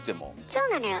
そうなのよ。